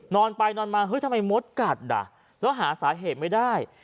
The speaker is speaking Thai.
นอนไปนอนมาเฮ้ยทำไมมดกัดอ่ะแล้วหาสาเหตุไม่ได้